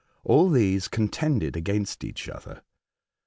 All these contended against each other.